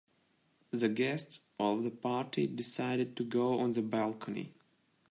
The guests of the party decided to go on the balcony.